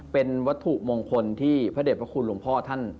เป็นวัตถุมงคลที่พระเด็จพระคุณหลวงพ่อท่าน